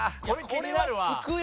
これはつくよ。